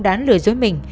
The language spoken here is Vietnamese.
đán lừa dối mình